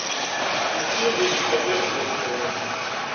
Yeznuzun deg watmaten-nsen.